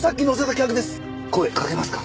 声かけますか？